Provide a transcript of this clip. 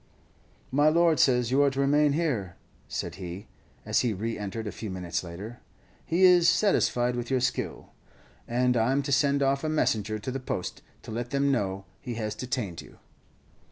"My lord says you are to remain here," said he, as he re entered a few minutes later; "he is satisfied with your skill, and I'm to send off a messenger to the post, to let them know he has detained you."